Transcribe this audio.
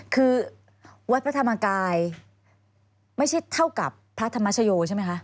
คือวัดพระธรรมกายไม่ใช่เท่ากับพระธรรมชโยใช่ไหมคะ